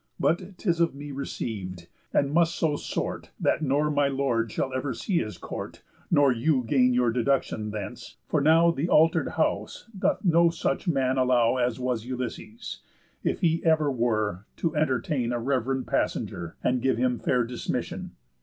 But 'tis of me receiv'd, and must so sort, That nor my lord shall ever see his court, Nor you gain your deduction thence, for now The alter'd house doth no such man allow As was Ulysses, if he ever were, To entertain a rev'rend passenger, And give him fair dismission.